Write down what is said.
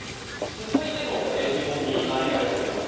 続いての疑問にまいりたいと思います。